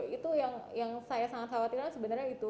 itu yang saya sangat khawatirkan sebenarnya itu